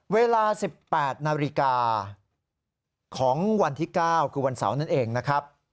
เวลา๑๘นาฬิกาของวันที่๙คือวันเสาร์นั่นเองนะครับ